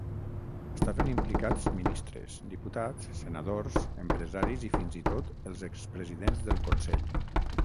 Estaven implicats ministres, diputats, senadors, empresaris i fins i tot els expresidents del Consell.